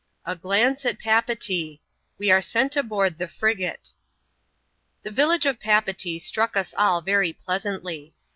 A glance at Papeetee. — We are sent aboard the frigate. The village of Papeetee struck us all very pleasantly.